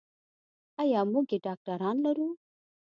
ایا موږ یې ډاکتران لرو.